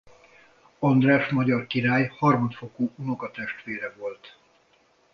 András magyar király harmadfokú unokatestvére volt.